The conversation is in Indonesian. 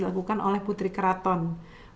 ini merupakan salah satu perawatan yang sangat berhasil